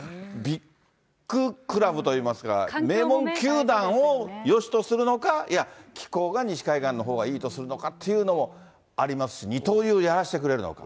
ビッグクラブといいますか、名門球団をよしとするのか、いや、気候が西海岸のほうがよしとするのかとかありますし、二刀流やらしてくれるか。